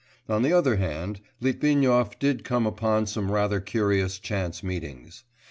On the other hand, Litvinov did come upon some rather curious chance meetings.